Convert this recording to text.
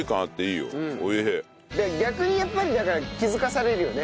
逆にやっぱりだから気づかされるよね。